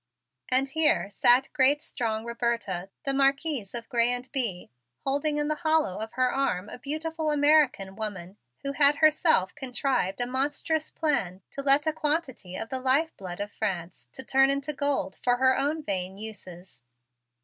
And here sat great strong Roberta, the Marquise of Grez and Bye, holding in the hollow of her arm a beautiful American woman who had herself contrived a monstrous plan to let a quantity of the lifeblood of France to turn into gold for her own vain uses.